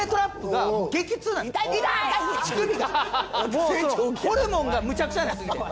もうホルモンがむちゃくちゃになりすぎて。